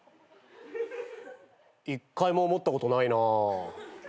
１回も思ったことないなぁ。